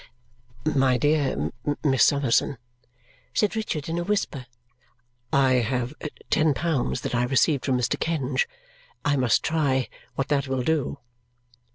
"My dear Miss Summerson," said Richard in a whisper, "I have ten pounds that I received from Mr. Kenge. I must try what that will do."